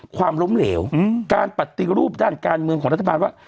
ความล้มเหลวการปฏิรูปด้านการเมืองของรัฐบาลว่า